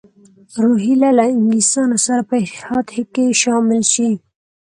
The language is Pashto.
روهیله له انګلیسیانو سره په اتحاد کې شامل شي.